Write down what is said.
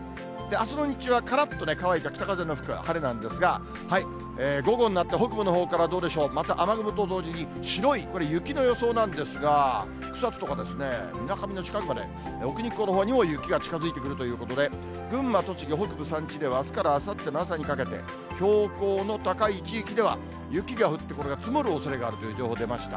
あすの日中はからっと乾いた北風も吹く晴れなんですが、午後になって北部のほうからどうでしょう、また雨雲と同時に、白い雪の予想なんですが、草津とかみなかみの近くまで、奥日光のほうにも雪が近づいてくるということで、群馬、栃木、北部山地ではあすからあさってにかけて、標高の高い地域では雪が降って、これが積もるおそれがあるという情報出ました。